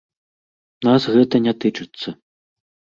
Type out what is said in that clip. Нас гэта не тычыцца.